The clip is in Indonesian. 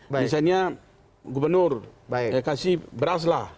misalnya gubernur kasih beras lah